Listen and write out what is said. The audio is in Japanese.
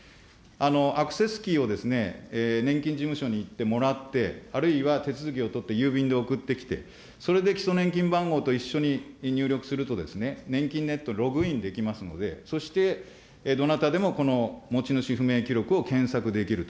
アクセスキーを年金事務所に行ってもらって、あるいは、手続きを取って郵便で送ってきて、それで基礎年金番号と一緒に入力するとですね、ねんきんネット、ログインできますので、そしてどなたでも、この持ち主不明記録を検索できると。